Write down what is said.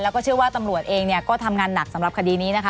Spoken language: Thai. แล้วก็เชื่อว่าตำรวจเองเนี่ยก็ทำงานหนักสำหรับคดีนี้นะคะ